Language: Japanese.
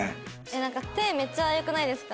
なんか手めっちゃ良くないですか？